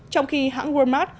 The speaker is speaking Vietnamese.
trong khi hãng walmart